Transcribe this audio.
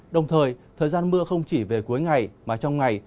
đồng thời thời gian mưa không chỉ về cuối ngày mà trong ngày